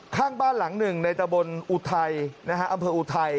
ข้างบ้านหลังหนึ่งในตะบนอุทัยนะฮะอำเภออุทัย